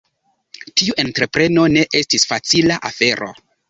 Tiu entrepreno ne estis facila afero.